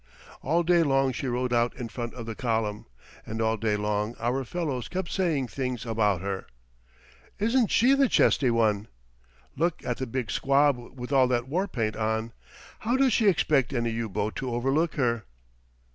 All day long she rode out in front of the column, and all day long our fellows kept saying things about her. "Isn't she the chesty one!" "Look at the big squab with all that war paint on how does she expect any U boat to overlook her?"